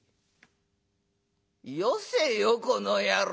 「よせよこの野郎。